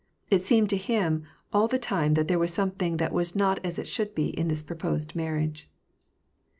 It seemed to him all the time that there was something that was not as it should be in this proposed marriage.